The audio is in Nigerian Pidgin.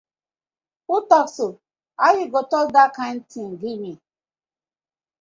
Who tok so, how yu go tok dat kind tin giv mi.